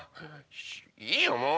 いいよもう！